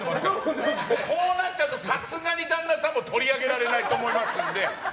こうなっちゃうとさすがに旦那さんも取り上げられないと思いますので。